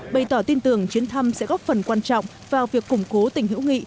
bày tỏ tin tưởng chuyến thăm sẽ góp phần quan trọng vào việc củng cố tình hữu nghị